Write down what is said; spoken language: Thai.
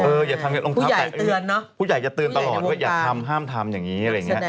ผู้ใหญ่จะเตือนเนอะผู้ใหญ่ในวงตาผู้ใหญ่จะเตือนตลอดว่าอย่าทำห้ามทำอย่างนี้อะไรอย่างนี้